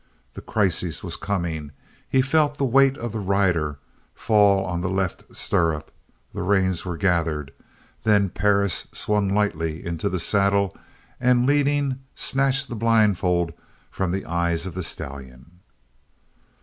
The crisis was coming. He felt the weight of the rider fall on the left stirrup, the reins were gathered, then Perris swung lightly into the saddle and leaning, snatched the blindfold from the eyes of the stallion.